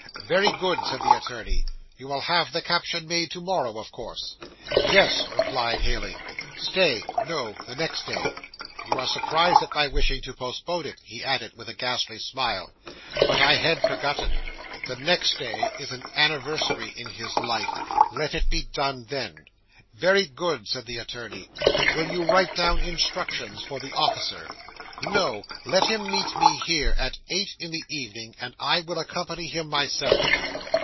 '"Very good," said the attorney. "You will have the caption made to morrow, of course?" '"Yes," replied Heyling. "Stay! No! The next day. You are surprised at my wishing to postpone it," he added, with a ghastly smile; "but I had forgotten. The next day is an anniversary in his life: let it be done then." '"Very good," said the attorney. "Will you write down instructions for the officer?" '"No; let him meet me here, at eight in the evening, and I will accompany him myself."